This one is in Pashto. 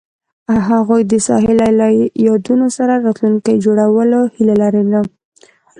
هغوی د ساحل له یادونو سره راتلونکی جوړولو هیله لرله.